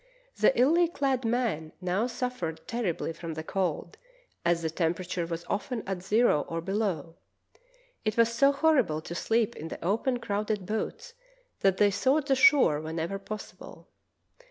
The illy clad men now suffered terribly from the cold, as the temperature was often at zero or below. It was so horrible to sleep in the open, crowded boats that they sought the shore whenever possible.